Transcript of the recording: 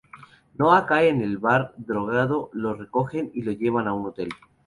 Noah cae en el bar drogado, lo recogen y lo llevan a un hotel.